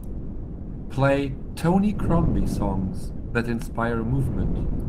Play Tony Crombie songs that inspire movement